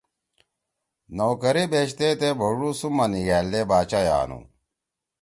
نوکر ئے بیشتے تے بھوڙُو سُم ما نیِگھألدے باچا ئے آنُو۔